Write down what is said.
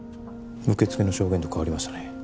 受付の証言と変わりましたね